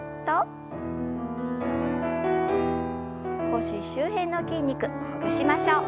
腰周辺の筋肉ほぐしましょう。